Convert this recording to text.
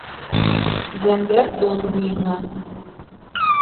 Зәңгәр Дон буйына.